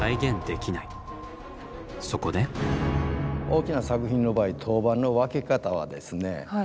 大きな作品の場合陶板の分け方はですね